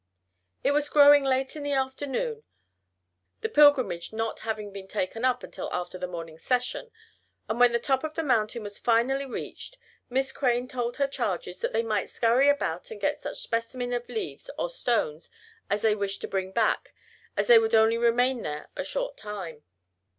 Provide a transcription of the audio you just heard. It was growing late in the afternoon, the pilgrimage not having been taken up until after the morning session, and when the top of the mountain was finally reached, Miss Crane told her charges that they might scurry about and get such specimen of leaves or stones as they wished to bring back, as they would only remain there a short time.